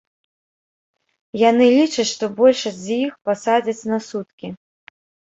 Яны лічаць, што большасць з іх пасадзяць на суткі.